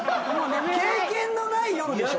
経験のない夜でしょ